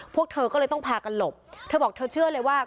พวกเธอก็เลยต้องพากันหลบเธอบอกเธอเชื่อเลยว่า